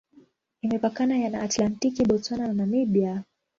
Imepakana na Atlantiki, Botswana na Namibia.